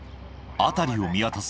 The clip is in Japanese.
辺りを見渡す